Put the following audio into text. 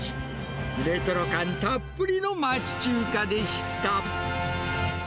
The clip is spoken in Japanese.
レトロ感たっぷりの町中華でした。